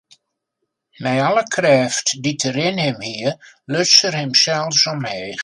Mei alle krêft dy't er yn him hie, luts er himsels omheech.